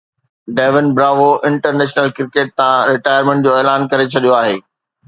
ڊيوين Bravo international cricket تان retirement جو اعلان ڪري ڇڏيو آهي